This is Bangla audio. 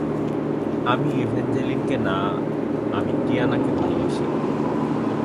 আমি ইভেঞ্জ্যালিনকে না আমি টিয়ানাকে ভালবাসি!